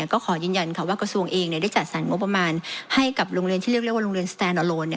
ก็ขอยืนยันว่ากระทรวงเองได้จัดสรรงบประมาณให้กับโรงเรียนที่เรียกว่าโรงเรียนสแตนอโลน